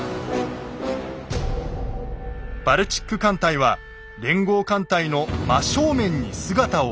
バルチック艦隊は連合艦隊の真正面に姿を現します。